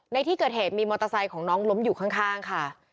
ในที่เกิดเหตุมีมอเตอร์ไซค์ของน้องล้มอยู่ข้างค่ะ